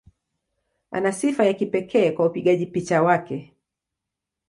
Ana sifa ya kipekee kwa upigaji picha wake.